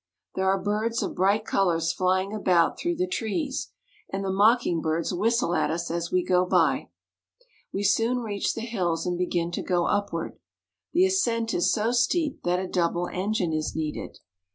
There are birds of [ bright colors flying about through the trees, and the mocking birds whistle at us as we go by. We soon reach the hills, and begin to go upward. The ascent is so steep that a double engine is needed.